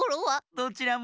どちらも。